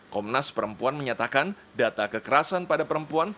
komnas perempuan menyatakan data kekerasan pada perempuan